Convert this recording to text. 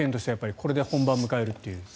これで本番を迎えるっていう。